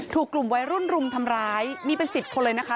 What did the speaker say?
ถูกกลุ่มวัยรุ่นรุมทำร้ายมีเป็น๑๐คนเลยนะคะ